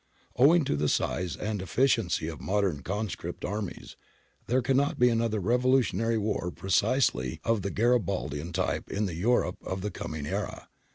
Owing to the size and efficiency of modern conscript armies, there cannot be another revolutionary war precisely of the Garibaldian type in the Europe of the coming era.